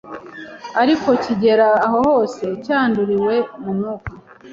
ariko kigera aho hose cyanduriwe mu mwuka